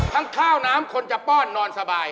ข้าวน้ำคนจะป้อนนอนสบาย